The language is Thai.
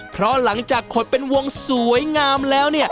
เพราะหลังจากขดเป็นวงสวยงามแล้ว